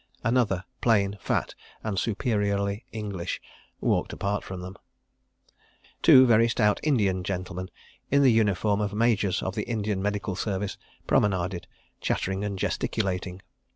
Another, plain, fat, and superiorly English, walked apart from them. Two very stout Indian gentlemen, in the uniform of Majors of the Indian Medical Service, promenaded, chattering and gesticulating.